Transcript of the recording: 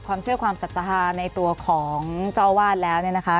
ความเชื่อความศรัทธาในตัวของเจ้าวาดแล้วเนี่ยนะคะ